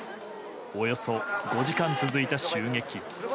およそ５時間続いた襲撃。